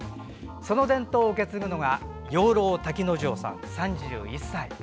その伝統を受け継ぐのが養老瀧之丞さん、３１歳。